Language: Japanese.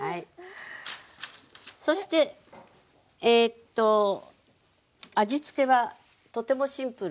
そしてえと味付けはとてもシンプル。